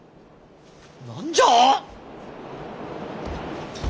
何じゃ！？